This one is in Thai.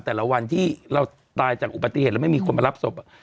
แต่ละวันที่เราตายจากอุบัติเหตุแล้วไม่มีคนมารับศพ